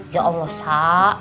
ya allah sa